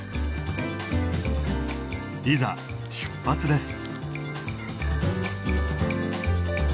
いざ出発です。